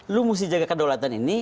lu mesti jaga kedaulatan ini